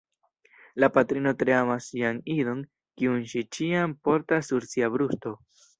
La patrino tre amas sian idon, kiun ŝi ĉiam portas sur sia brusto.